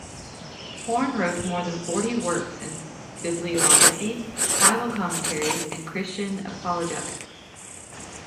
Horne wrote more than forty works in bibliography, Bible commentaries, and Christian apologetics.